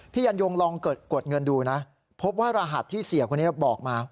ยันยงลองกดเงินดูนะพบว่ารหัสที่เสียคนนี้บอกมา